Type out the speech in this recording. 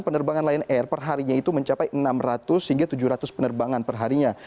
penerbangan lion air perharinya itu mencapai enam ratus hingga tujuh ratus penerbangan perharinya